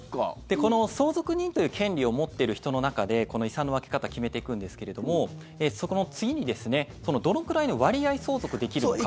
この相続人という権利を持っている人の中で遺産の分け方を決めていくんですけれどもその次に、どのくらいの割合相続できるのかと。